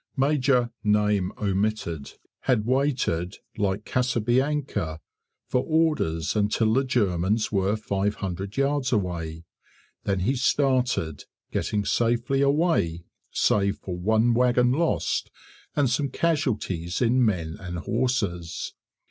Major had waited, like Casabianca, for orders until the Germans were 500 yards away; then he started, getting safely away save for one wagon lost, and some casualties in men and horses.